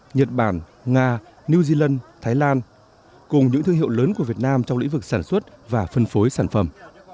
nhật bản nga new zealand thái lan cùng những thương hiệu lớn của việt nam trong lĩnh vực sản xuất và phân phối sản phẩm